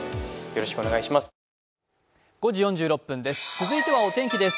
続いてはお天気です。